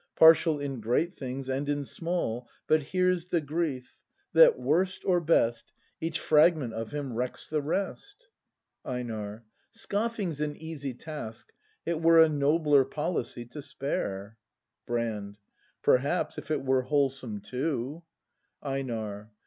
Partial in great things and in small; — But here's the grief — that, worst or best. Each fragment of him wrecks the rest! EiNAR. Scoffing's an easy task: it were A nobler policy to spare Brand. Perhaps, if it were wholesome too. ACT I] BRAND 41 EiNAR.